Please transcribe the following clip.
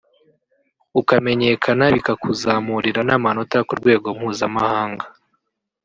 ukamenyekana bikakuzamurira n’amanota ku rwego mpuzamahanga